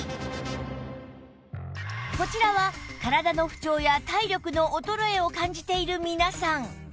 こちらは体の不調や体力の衰えを感じている皆さん